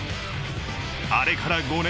あれから５年。